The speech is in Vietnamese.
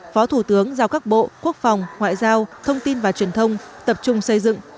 phó thủ tướng giao các bộ quốc phòng ngoại giao thông tin và truyền thông tập trung xây dựng